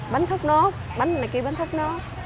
bánh thốt nốt bánh này kêu bánh thốt nốt